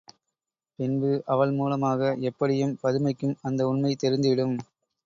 பின்பு அவள் மூலமாக எப்படியும் பதுமைக்கும் அந்த உண்மை தெரிந்துவிடும்.